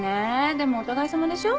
でもお互いさまでしょ？